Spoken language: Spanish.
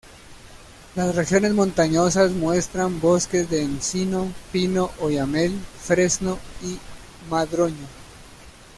Las regiones montañosas muestran bosques de encino, pino, oyamel, fresno, y madroño.